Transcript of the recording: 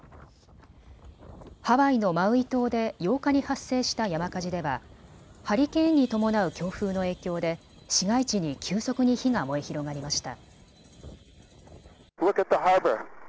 ハワイのマウイ島で８日に発生した山火事ではハリケーンに伴う強風の影響で市街地に急速に火が燃え広がりました。